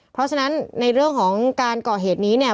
เพราะฉะนั้นในเรื่องของการก่อเหตุนี้เนี่ย